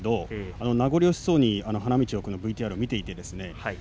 名残惜しそうに花道でＶＴＲを見ていました。